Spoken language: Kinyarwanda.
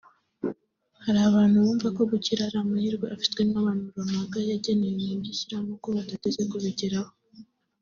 Hari abantu bumva ko gukira ari amahirwe afitwe n’abantu runaka yagenewe bakishyiramo ko badateze kubigeraho